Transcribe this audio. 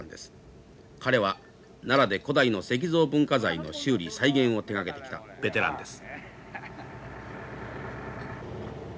彼は奈良で古代の石像文化財の修理再現を手がけてきたベテランです。